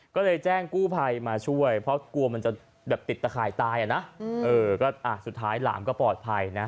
ก็เลยแจ้งกู้ภัยมาช่วยเพราะกลัวมันจะแบบติดตะข่ายตายอ่ะนะสุดท้ายหลานก็ปลอดภัยนะ